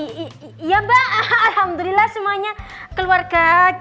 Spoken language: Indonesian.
ay iya mba alhamdulillah semuanya keluarga sehat ya